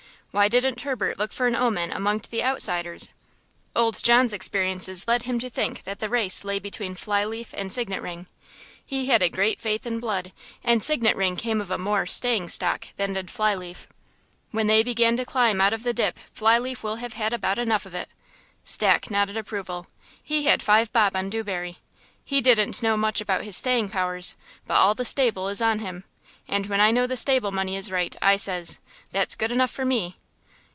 Why didn't Herbert look for an omen among the outsiders? Old John's experiences led him to think that the race lay between Fly leaf and Signet ring. He had a great faith in blood, and Signet ring came of a more staying stock than did Fly leaf. "When they begin to climb out of the dip Fly leaf will have had about enough of it." Stack nodded approval. He had five bob on Dewberry. He didn't know much about his staying powers, but all the stable is on him; "and when I know the stable money is right I says, 'That's good enough for me!'"